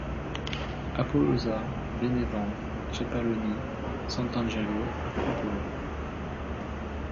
Apollosa, Bénévent, Ceppaloni, Sant'Angelo a Cupolo.